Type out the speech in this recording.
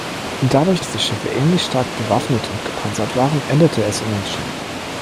Dadurch, dass die Schiffe ähnlich stark bewaffnet und gepanzert waren, endete es unentschieden.